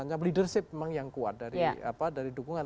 menganggap leadership memang yang kuat dari dukungan